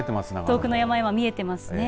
遠くの山々見えていますね。